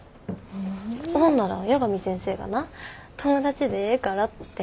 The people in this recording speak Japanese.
ほんなら八神先生がな友達でええからって。